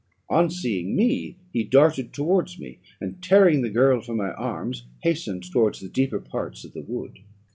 On seeing me, he darted towards me, and tearing the girl from my arms, hastened towards the deeper parts of the wood.